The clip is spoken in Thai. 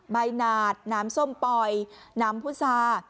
หนาดน้ำส้มปล่อยน้ำพุษา